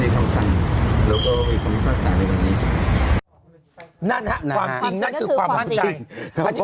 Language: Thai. ความจริงก็คือความจริงครับ